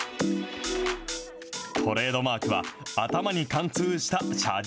トレードマークは、頭に貫通した車軸。